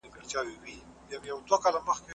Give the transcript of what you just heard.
لوستې میندې د ماشومانو د بدن بدلون ته پام ساتي.